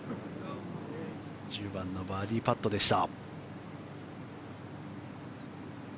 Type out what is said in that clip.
１０番のバーディーパットでした。